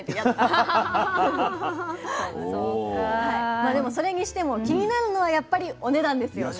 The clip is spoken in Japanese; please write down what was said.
まあでもそれにしても気になるのはやっぱりお値段ですよね。